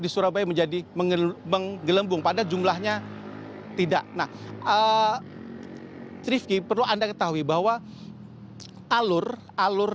di surabaya menjadi menggelembung pada jumlahnya tidak nah trifki perlu anda ketahui bahwa alur alur